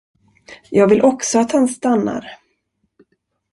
Jag vill också att han stannar.